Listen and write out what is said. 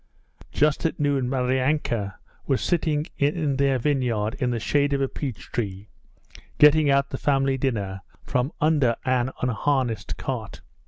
Just at noon Maryanka was sitting in their vineyard in the shade of a peach tree, getting out the family dinner from under an unharnessed cart.